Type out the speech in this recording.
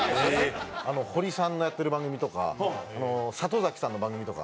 ホリさんのやってる番組とか里崎さんの番組とか。